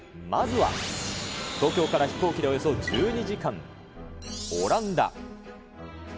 まずは、東京から飛行機でおよそ１２時間、オランダ。